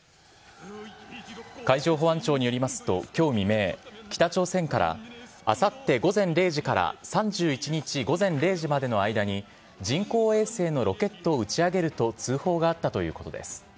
海上保安庁によりますと、きょう未明、北朝鮮からあさって午前０時から３１日午前０時までの間に、人工衛星のロケットを打ち上げると通報があったということです。